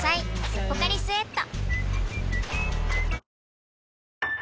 「ポカリスエット」